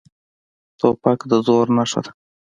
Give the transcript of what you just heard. توپک د زور نښه ده.